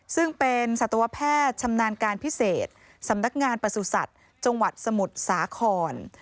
ซึ่งเป็นสัตวแพทย์ชำนาญการพิเศษสำนักงานประสุทธิ์จังหวัดสมุทรสาคร